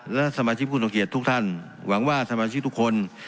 และสมาชิกผู้ทรงเกียจทุกท่านหวังว่าสมาชิกทุกคน